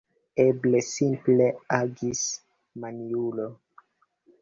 Eble, simple agis maniulo!